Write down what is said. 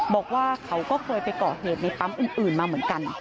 บอกว่าเขาก็เคยไปก่อเหตุในปั๊มอื่นมาเหมือนกัน